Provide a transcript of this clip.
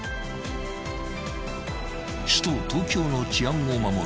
［首都東京の治安を守る